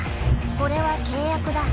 これは契約だ。